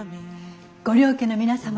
ご両家の皆様